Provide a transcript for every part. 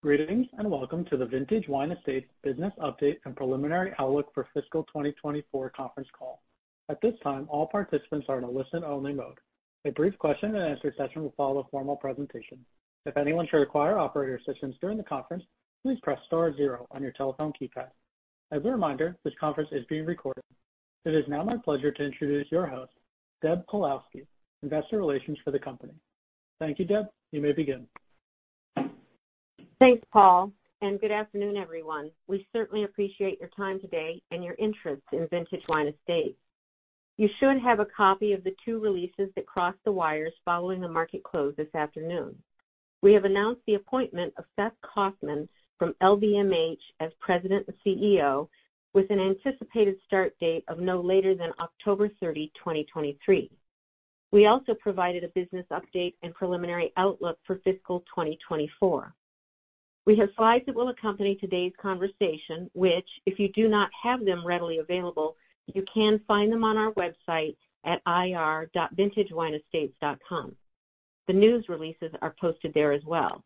Greetings, and welcome to the Vintage Wine Estates Business Update and Preliminary Outlook for Fiscal 2024 conference call. At this time, all participants are in a listen-only mode. A brief question and answer session will follow the formal presentation. If anyone should require operator assistance during the conference, please press star zero on your telephone keypad. As a reminder, this conference is being recorded. It is now my pleasure to introduce your host, Deb Pawlowski, Investor Relations for the company. Thank you, Deb. You may begin. Thanks, Paul. Good afternoon, everyone. We certainly appreciate your time today and your interest in Vintage Wine Estates. You should have a copy of the 2 releases that crossed the wires following the market close this afternoon. We have announced the appointment of Seth Kaufman from LVMH as President and CEO, with an anticipated start date of no later than October 30, 2023. We also provided a business update and preliminary outlook for fiscal 2024. We have slides that will accompany today's conversation, which, if you do not have them readily available, you can find them on our website at ir.vintagewineestates.com. The news releases are posted there as well.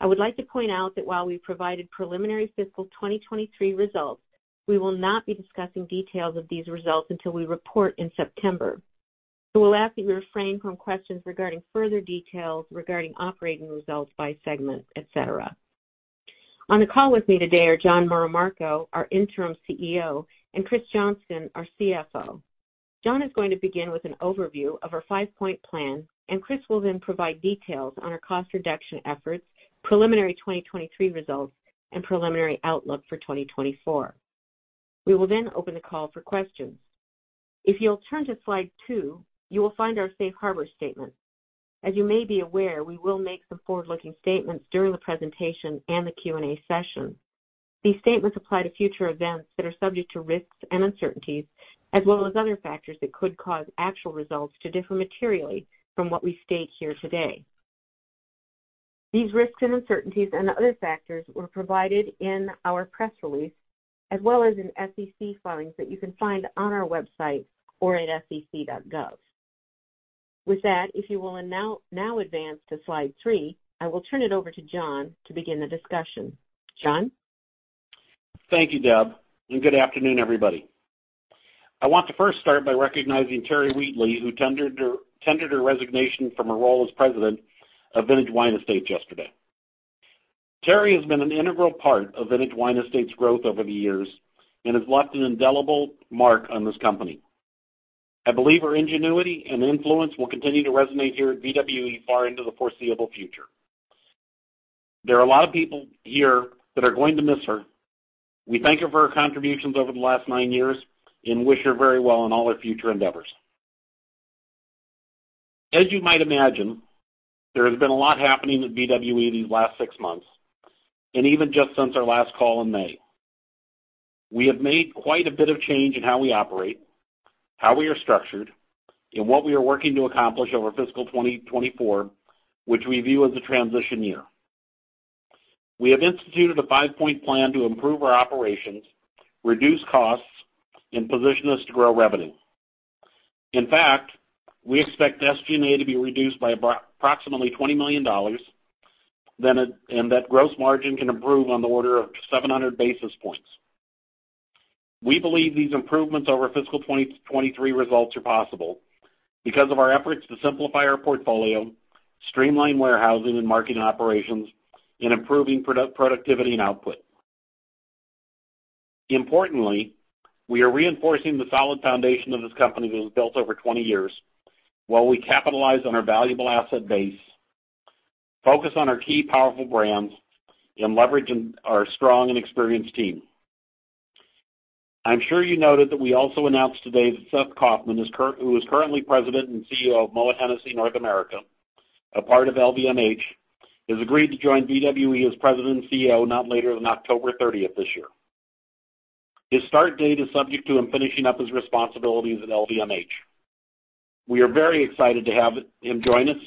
I would like to point out that while we provided preliminary fiscal 2023 results, we will not be discussing details of these results until we report in September. We'll ask that you refrain from questions regarding further details regarding operating results by segment, et cetera. On the call with me today are Jon Moramarco, our interim CEO, and Kristina Johnston, our CFO. Jon is going to begin with an overview of our five-point plan, and Kristina will then provide details on our cost reduction efforts, preliminary 2023 results, and preliminary outlook for 2024. We will then open the call for questions. If you'll turn to slide two, you will find our safe harbor statement. As you may be aware, we will make some forward-looking statements during the presentation and the Q&A session. These statements apply to future events that are subject to risks and uncertainties, as well as other factors that could cause actual results to differ materially from what we state here today. These risks and uncertainties and other factors were provided in our press release, as well as in SEC filings that you can find on our website or at sec.gov. With that, if you will now advance to slide 3, I will turn it over to Jon to begin the discussion. Jon? Thank you, Deb. Good afternoon, everybody. I want to first start by recognizing Terry Wheatley, who tendered her resignation from her role as President of Vintage Wine Estates yesterday. Terry has been an integral part of Vintage Wine Estates' growth over the years and has left an indelible mark on this company. I believe her ingenuity and influence will continue to resonate here at VWE far into the foreseeable future. There are a lot of people here that are going to miss her. We thank her for her contributions over the last 9 years and wish her very well in all her future endeavors. As you might imagine, there has been a lot happening at VWE these last 6 months, even just since our last call in May. We have made quite a bit of change in how we operate, how we are structured, and what we are working to accomplish over fiscal 2024, which we view as a transition year. We have instituted a five-point plan to improve our operations, reduce costs, and position us to grow revenue. In fact, we expect SG&A to be reduced by approximately $20 million, and that gross margin can improve on the order of 700 basis points. We believe these improvements over fiscal 2023 results are possible because of our efforts to simplify our portfolio, streamline warehousing and marketing operations, and improving productivity and output. Importantly, we are reinforcing the solid foundation of this company that was built over 20 years, while we capitalize on our valuable asset base, focus on our key powerful brands, and leverage in our strong and experienced team. I'm sure you noted that we also announced today that Seth Kaufman, who is currently President and CEO of Moët Hennessy North America, a part of LVMH, has agreed to join VWE as President and CEO, not later than October 30th this year. His start date is subject to him finishing up his responsibilities at LVMH. We are very excited to have him join us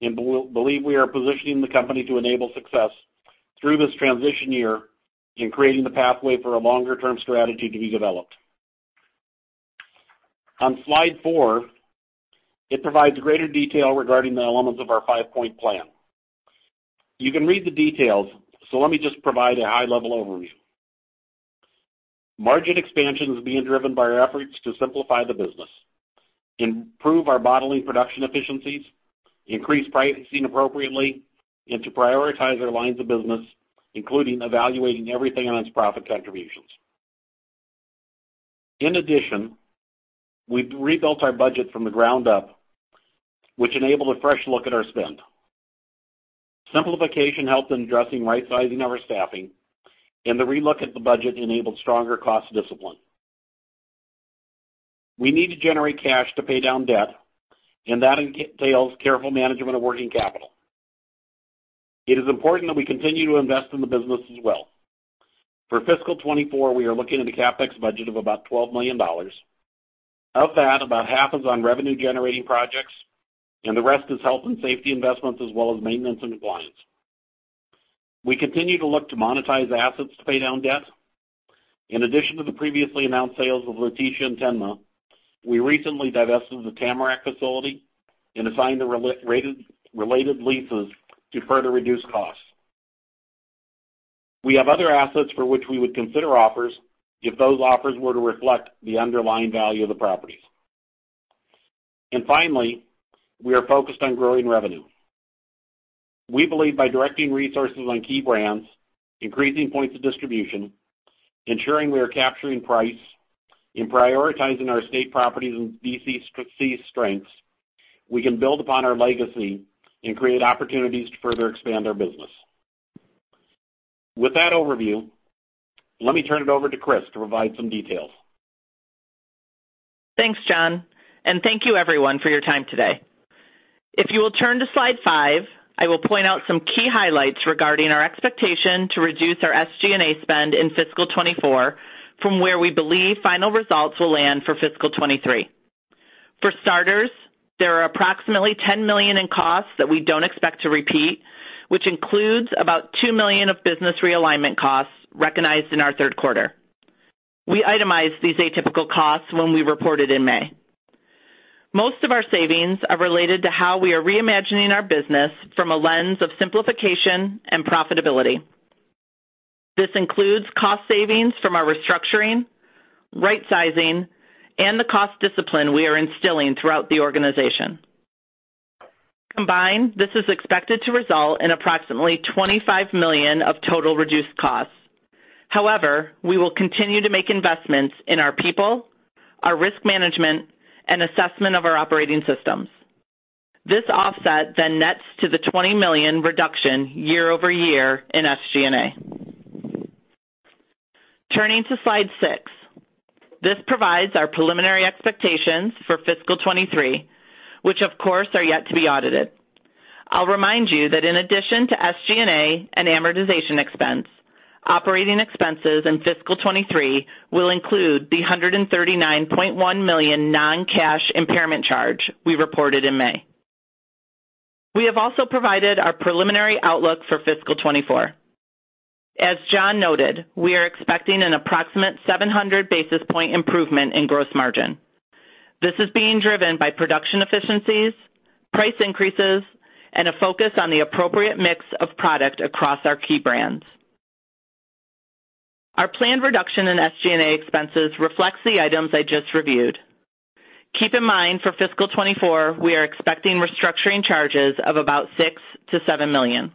and believe we are positioning the company to enable success through this transition year and creating the pathway for a longer-term strategy to be developed. On slide 4, it provides greater detail regarding the elements of our five-point plan. You can read the details, so let me just provide a high-level overview. Margin expansion is being driven by our efforts to simplify the business, improve our bottling production efficiencies, increase pricing appropriately, and to prioritize our lines of business, including evaluating everything on its profit contributions. We've rebuilt our budget from the ground up, which enabled a fresh look at our spend. Simplification helped in addressing right-sizing our staffing, and the relook at the budget enabled stronger cost discipline. We need to generate cash to pay down debt, and that entails careful management of working capital. It is important that we continue to invest in the business as well. For fiscal 2024, we are looking at a CapEx budget of about $12 million. Of that, about half is on revenue-generating projects, and the rest is health and safety investments, as well as maintenance and compliance. We continue to look to monetize assets to pay down debt. In addition to the previously announced sales of Laetitia and Tenma, we recently divested the Tamarack facility and assigned the relict- rated, related leases to further reduce costs. We have other assets for which we would consider offers if those offers were to reflect the underlying value of the properties. Finally, we are focused on growing revenue. We believe by directing resources on key brands, increasing points of distribution, ensuring we are capturing price, and prioritizing our estate properties and DTC's strengths, we can build upon our legacy and create opportunities to further expand our business. With that overview, let me turn it over to Kristina to provide some details. Thanks, Jon, and thank you everyone for your time today. If you will turn to slide 5, I will point out some key highlights regarding our expectation to reduce our SG&A spend in fiscal 2024 from where we believe final results will land for fiscal 2023. For starters, there are approximately $10 million in costs that we don't expect to repeat, which includes about $2 million of business realignment costs recognized in our 3rd quarter. We itemized these atypical costs when we reported in May. Most of our savings are related to how we are reimagining our business from a lens of simplification and profitability. This includes cost savings from our restructuring, rightsizing, and the cost discipline we are instilling throughout the organization. Combined, this is expected to result in approximately $25 million of total reduced costs. However, we will continue to make investments in our people, our risk management, and assessment of our operating systems. This offset then nets to the $20 million reduction year-over-year in SG&A. Turning to slide six, this provides our preliminary expectations for fiscal 2023, which of course, are yet to be audited. I'll remind you that in addition to SG&A and amortization expense, operating expenses in fiscal 2023 will include the $139.1 million non-cash impairment charge we reported in May. We have also provided our preliminary outlook for fiscal 2024. As Jon noted, we are expecting an approximate 700 basis point improvement in gross margin. This is being driven by production efficiencies, price increases, and a focus on the appropriate mix of product across our key brands. Our planned reduction in SG&A expenses reflects the items I just reviewed. Keep in mind, for fiscal 2024, we are expecting restructuring charges of about $6 million-$7 million.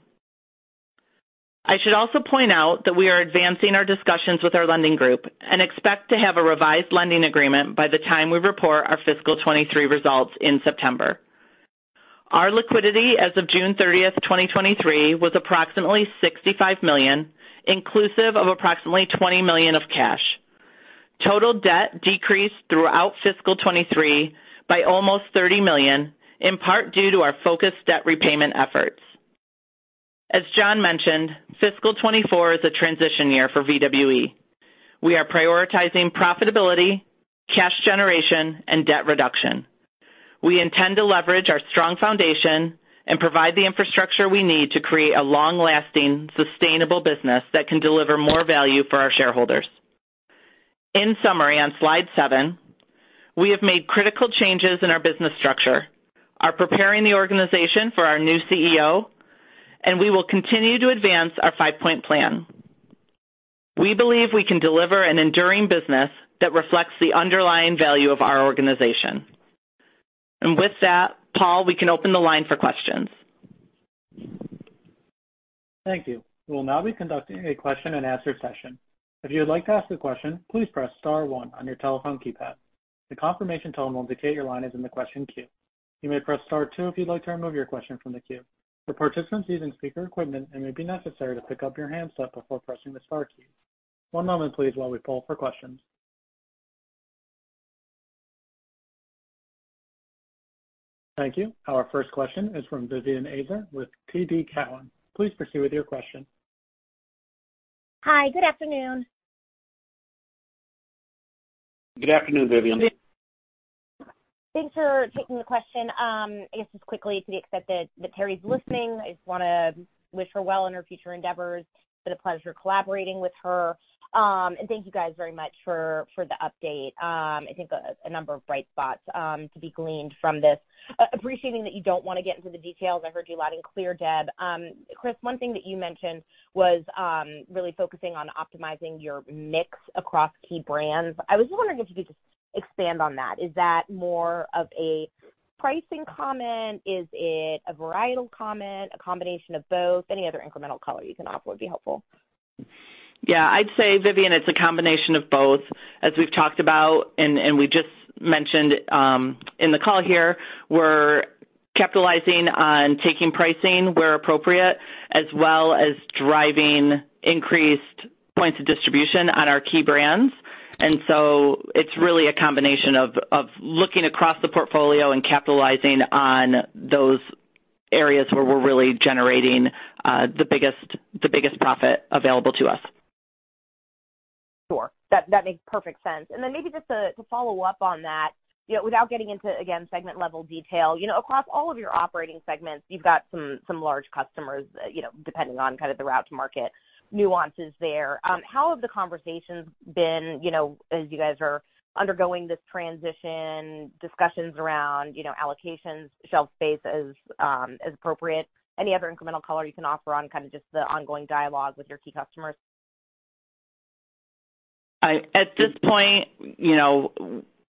I should also point out that we are advancing our discussions with our lending group and expect to have a revised lending agreement by the time we report our fiscal 2023 results in September. Our liquidity as of June 30th, 2023, was approximately $65 million, inclusive of approximately $20 million of cash. Total debt decreased throughout fiscal 2023 by almost $30 million, in part due to our focused debt repayment efforts. As Jon mentioned, fiscal 2024 is a transition year for VWE. We are prioritizing profitability, cash generation, and debt reduction. We intend to leverage our strong foundation and provide the infrastructure we need to create a long-lasting, sustainable business that can deliver more value for our shareholders. In summary, on slide seven, we have made critical changes in our business structure, are preparing the organization for our new CEO, and we will continue to advance our five-point plan. We believe we can deliver an enduring business that reflects the underlying value of our organization. With that, Paul, we can open the line for questions. Thank you. We will now be conducting a question and answer session. If you would like to ask a question, please press star one on your telephone keypad. The confirmation tone will indicate your line is in the question queue. You may press star two if you'd like to remove your question from the queue. For participants using speaker equipment, it may be necessary to pick up your handset before pressing the star key. One moment, please, while we poll for questions. Thank you. Our first question is from Vivien Azer with TD Cowen. Please proceed with your question. Hi, good afternoon. Good afternoon, Vivien. Thanks for taking the question. I guess just quickly, to the extent that Terry's listening, I just wanna wish her well in her future endeavors. Been a pleasure collaborating with her. Thank you guys very much for the update. I think a number of bright spots to be gleaned from this. Appreciating that you don't wanna get into the details, I heard you loud and clear, Deb. Kristina, one thing that you mentioned was really focusing on optimizing your mix across key brands. I was wondering if you could just expand on that. Is that more of a pricing comment? Is it a varietal comment, a combination of both? Any other incremental color you can offer would be helpful. Yeah, I'd say, Vivien, it's a combination of both. As we've talked about and we just mentioned in the call here, we're capitalizing on taking pricing where appropriate, as well as driving increased points of distribution on our key brands. It's really a combination of looking across the portfolio and capitalizing on those areas where we're really generating the biggest profit available to us. Sure, that makes perfect sense. Then maybe just to follow up on that, you know, without getting into, again, segment-level detail, you know, across all of your operating segments, you've got some large customers, you know, depending on kind of the route-to-market nuances there. How have the conversations been, you know, as you guys are undergoing this transition, discussions around, you know, allocations, shelf space as appropriate, any other incremental color you can offer on kind of just the ongoing dialogue with your key customers? At this point, you know,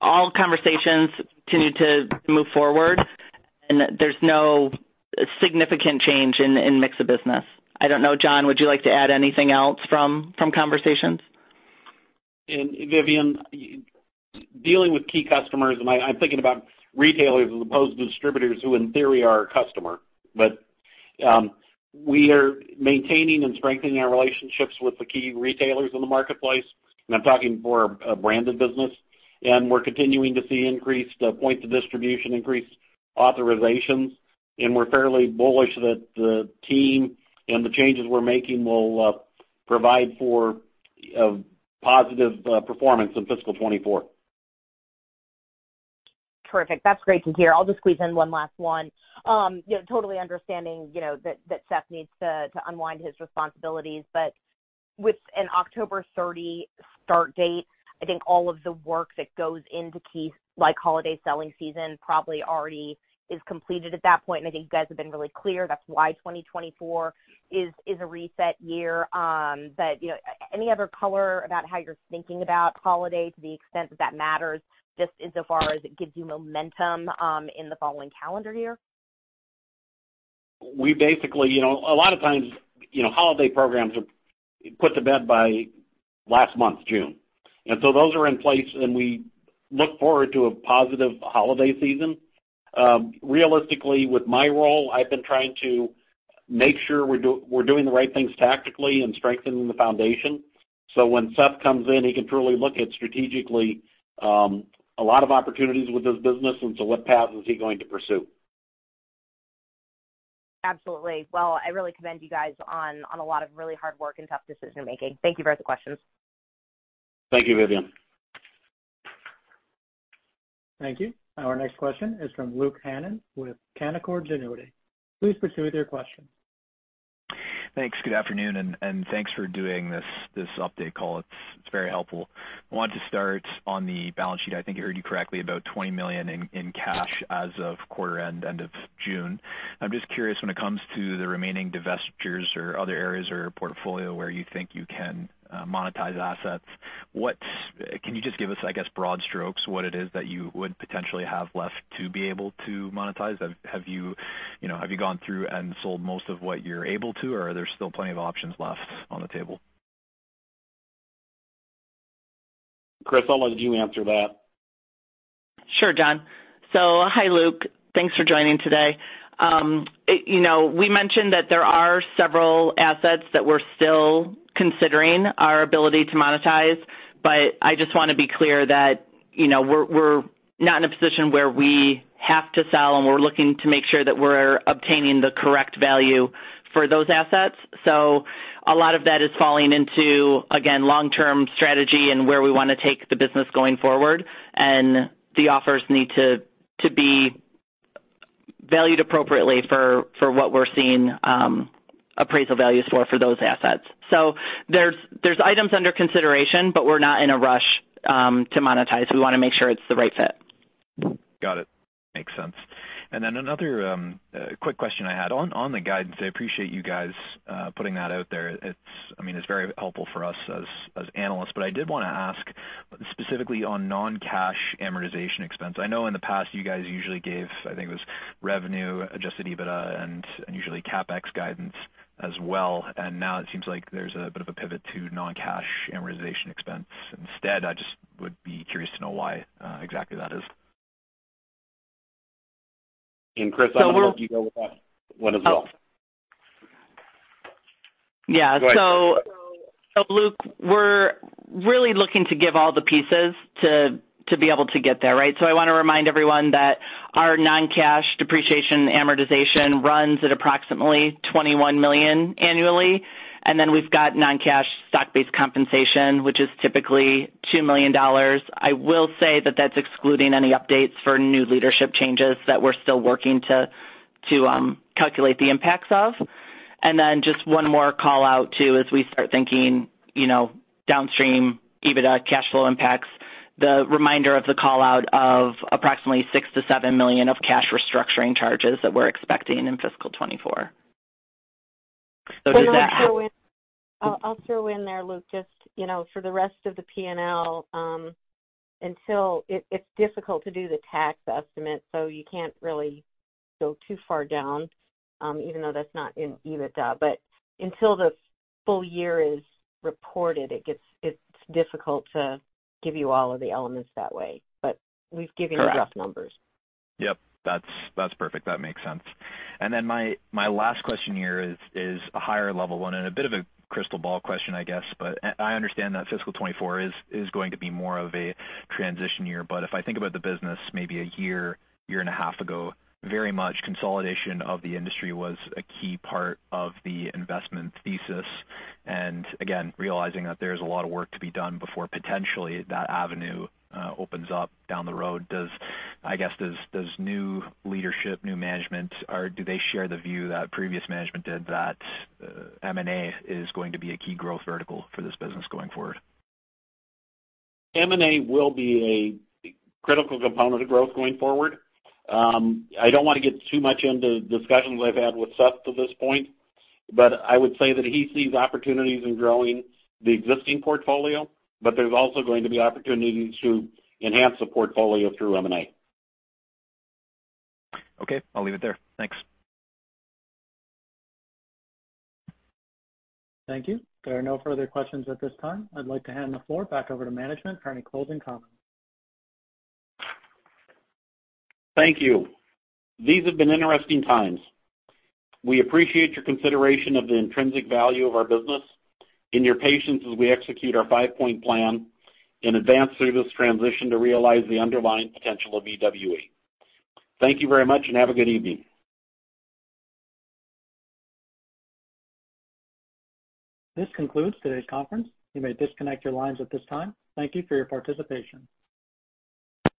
all conversations continue to move forward. There's no significant change in mix of business. I don't know, Jon, would you like to add anything else from conversations? Vivien, dealing with key customers, and I'm thinking about retailers as opposed to distributors, who, in theory, are our customer. We are maintaining and strengthening our relationships with the key retailers in the marketplace, and I'm talking for a branded business. We're continuing to see increased point to distribution, increased authorizations, and we're fairly bullish that the team and the changes we're making will provide for a positive performance in fiscal 2024. Terrific. That's great to hear. I'll just squeeze in one last one. you know, totally understanding, you know, that Seth needs to unwind his responsibilities, but with an October 30 start date, I think all of the work that goes into key, like, holiday selling season, probably already is completed at that point. I think you guys have been really clear. That's why 2024 is a reset year. but, you know, any other color about how you're thinking about holiday, to the extent that matters, just insofar as it gives you momentum in the following calendar year? We basically, you know, a lot of times, you know, holiday programs are put to bed by last month, June. Those are in place, and we look forward to a positive holiday season. Realistically, with my role, I've been trying to make sure we're doing the right things tactically and strengthening the foundation. When Seth comes in, he can truly look at strategically, a lot of opportunities with this business what path is he going to pursue. Absolutely. Well, I really commend you guys on a lot of really hard work and tough decision making. Thank you for the questions. Thank you, Vivien. Thank you. Our next question is from Luke Hannan with Canaccord Genuity. Please proceed with your question. Thanks. Good afternoon, and thanks for doing this update call. It's very helpful. I wanted to start on the balance sheet. I think I heard you correctly, about $20 million in cash as of quarter end of June. I'm just curious, when it comes to the remaining divestitures or other areas or portfolio where you think you can monetize assets, can you just give us, I guess, broad strokes, what it is that you would potentially have left to be able to monetize? Have you know, have you gone through and sold most of what you're able to, or are there still plenty of options left on the table? Kristina, I'll let you answer that. Sure, Jon. Hi, Luke. Thanks for joining today. you know, we mentioned that there are several assets that we're still considering our ability to monetize, but I just want to be clear that, you know, we're not in a position where we have to sell, and we're looking to make sure that we're obtaining the correct value for those assets. A lot of that is falling into, again, long-term strategy and where we want to take the business going forward, and the offers need to be valued appropriately for what we're seeing, appraisal values for those assets. There's items under consideration, but we're not in a rush to monetize. We want to make sure it's the right fit. Got it. Makes sense. Then another quick question I had. On the guidance, I appreciate you guys putting that out there. I mean, it's very helpful for us as analysts, but I did want to ask specifically on non-cash amortization expense. I know in the past you guys usually gave, I think it was revenue, adjusted EBITDA and usually CapEx guidance as well. Now it seems like there's a bit of a pivot to non-cash amortization expense. Instead, I just would be curious to know why exactly that is? Kristina, I'll let you go with that one as well. Yeah. Go ahead. Luke, we're really looking to give all the pieces to be able to get there, right? I want to remind everyone that our non-cash depreciation amortization runs at approximately $21 million annually, and then we've got non-cash stock-based compensation, which is typically $2 million. I will say that that's excluding any updates for new leadership changes that we're still working to calculate the impacts of. Just one more call out, too, as we start thinking, you know, downstream, EBITDA, cash flow impacts, the reminder of the call out of approximately $6 million-$7 million of cash restructuring charges that we're expecting in fiscal 2024. Does that add- I'll throw in there, Luke, just, you know, for the rest of the PNL, until it's difficult to do the tax estimate, so you can't really go too far down, even though that's not in EBITDA. Until the full year is reported, it's difficult to give you all of the elements that way, but we've given you rough numbers. Correct. Yep, that's perfect. That makes sense. My last question here is a higher level one and a bit of a crystal ball question, I guess, but I understand that fiscal 2024 is going to be more of a transition year. If I think about the business maybe a year and a half ago, very much consolidation of the industry was a key part of the investment thesis. Realizing that there's a lot of work to be done before potentially that avenue opens up down the road, I guess, does new leadership, new management, or do they share the view that previous management did that M&A is going to be a key growth vertical for this business going forward? M&A will be a critical component of growth going forward. I don't want to get too much into discussions I've had with Seth to this point, but I would say that he sees opportunities in growing the existing portfolio, but there's also going to be opportunities to enhance the portfolio through M&A. Okay, I'll leave it there. Thanks. Thank you. There are no further questions at this time. I'd like to hand the floor back over to management for any closing comments. Thank you. These have been interesting times. We appreciate your consideration of the intrinsic value of our business and your patience as we execute our five-point plan in advance through this transition to realize the underlying potential of VWE. Thank you very much and have a good evening. This concludes today's conference. You may disconnect your lines at this time. Thank you for your participation.